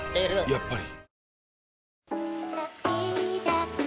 やっぱり。